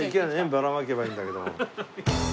ばらまけばいいんだけども。